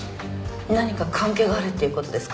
何か関係があるっていうことですか？